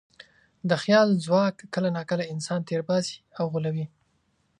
د خیال ځواک کله ناکله انسان تېر باسي او غولوي.